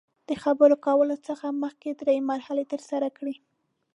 د خبرو کولو څخه مخکې درې مرحلې ترسره کړه.